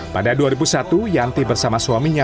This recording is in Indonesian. pada dua ribu satu yanti bersama suaminya